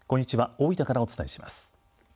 大分からお伝えします。